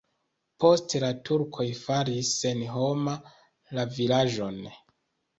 Poste la turkoj faris senhoma la vilaĝon.